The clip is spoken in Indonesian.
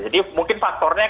jadi mungkin faktornya karena